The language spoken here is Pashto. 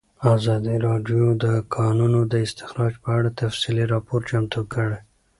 ازادي راډیو د د کانونو استخراج په اړه تفصیلي راپور چمتو کړی.